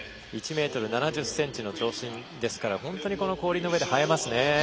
１ｍ７０ｃｍの長身ですから氷の上で映えますね。